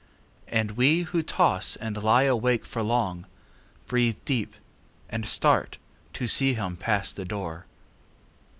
And we who toss and lie awake for long, Breathe deep, and start, to see him pass the door.